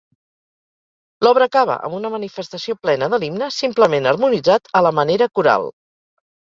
L'obra acaba amb una manifestació plena de l'himne, simplement harmonitzat a la manera coral.